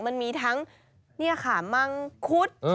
มันมีทั้งมังคุด